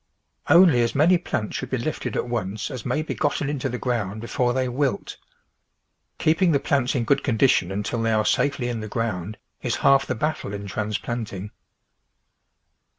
Only as many plants should be lifted at once as may be gotten into the ground before they wilt. Keeping the plants in good condition until they THE VEGETABLE GARDEN are safely in the ground is half the battle in trans planting.